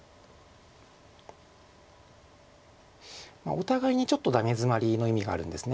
お互いにちょっとダメヅマリの意味があるんです。